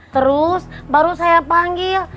terus baru saya panggil